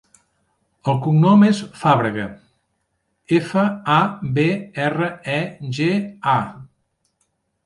El cognom és Fabrega: efa, a, be, erra, e, ge, a.